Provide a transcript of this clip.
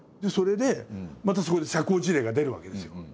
それでまたそこで社交辞令が出るわけですよ。